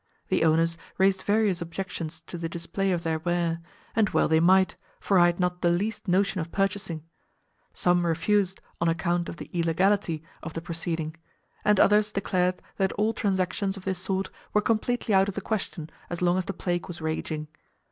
The owners raised various objections to the display of their ware, and well they might, for I had not the least notion of purchasing; some refused on account of the illegality of the proceeding, and others declared that all transactions of this sort were completely out of the question as long as the plague was raging.